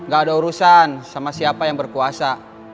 gak ada urusan sama siapa yang berkuasa